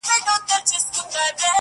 اشنا--!